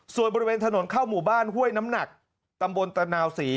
ส่วนบริเวณถนนเข้าหมู่บ้านห้วยน้ำหนักตำบลตะนาวศรี